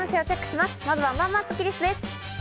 まずは、まあまあスッキりすです。